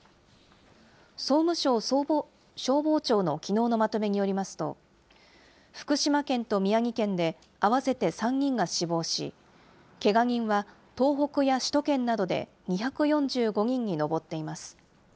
総務省消防庁のきのうのまとめによりますと、福島県と宮城県で合わせて３人が死亡し、けが人は東北や首都圏などで２４５人に上っています。